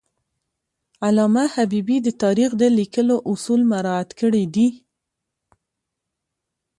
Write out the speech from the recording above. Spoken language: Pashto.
علامه حبیبي د تاریخ د لیکلو اصول مراعات کړي دي.